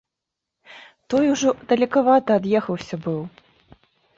Той ужо далекавата ад'ехаўся быў.